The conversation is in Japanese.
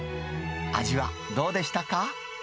味はどうでしたか？